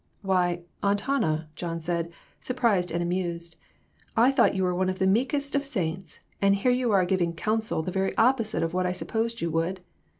"Why, Aunt Hannah," John said, surprised and amused; "I thought you were one of the meekest of saints, and here you are giving 'coun sel the very opposite to what I supposed you would."